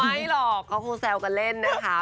ไม่หรอกครอง็บก้อแซวกันเล่นนะคะ